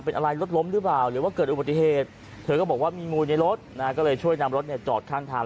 เป็นอะไรรถล้มหรือเปล่าหรือว่าเกิดอุบัติเหตุเธอก็บอกว่ามีงูในรถนะก็เลยช่วยนำรถเนี่ยจอดข้างทาง